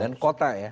dan kota ya